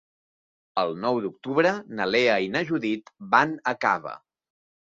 El nou d'octubre na Lea i na Judit van a Cava.